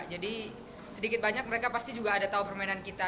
jadi sedikit banyak mereka pasti juga ada tahu permainan kita